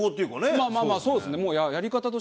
まあまあまあそうですね。